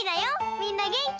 みんなげんき？